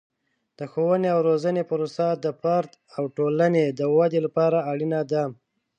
د ښوونې او روزنې پروسه د فرد او ټولنې د ودې لپاره اړینه ده.